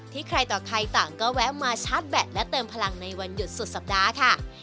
ใครต่อใครต่างก็แวะมาชาร์จแบตและเติมพลังในวันหยุดสุดสัปดาห์ค่ะ